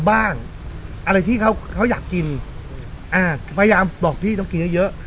อะไรที่เขาเขาอยากกินอ่าพยายามบอกพี่ต้องกินเยอะเยอะ